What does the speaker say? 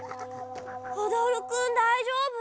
おどるくんだいじょうぶ？